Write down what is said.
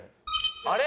あれ？